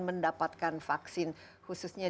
mendapatkan vaksin khususnya